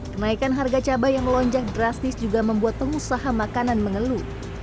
kenaikan harga cabai yang melonjak drastis juga membuat pengusaha makanan mengeluh